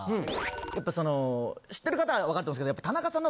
やっぱその知ってる方は分かってますけどやっぱり。